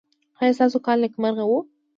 ایا ستاسو کال نیکمرغه و؟